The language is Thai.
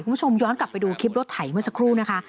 คุณผู้ชมย้อนกลับไปดูคลิปรถไถเมื่อสักครู่นะคะ